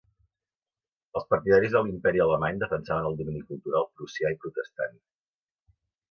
Els partidaris de l'Imperi Alemany defensaven el domini cultural prussià i protestant.